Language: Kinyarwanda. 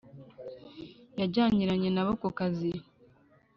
yajyaniranye nabo kukazi.